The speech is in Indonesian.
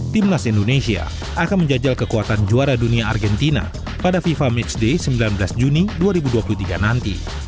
timnas indonesia akan menjajal kekuatan juara dunia argentina pada fifa matchday sembilan belas juni dua ribu dua puluh tiga nanti